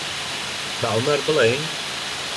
بە عومەر بڵێین؟